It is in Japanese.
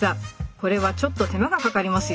これはちょっと手間がかかりますよ。